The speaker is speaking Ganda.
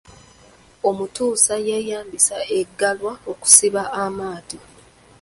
Omutuusa yeeyambisa Eggalwa okusiba amaato.